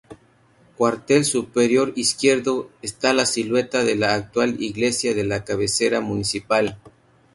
Cuartel superior izquierdo, está la silueta de la actual iglesia de la cabecera municipal.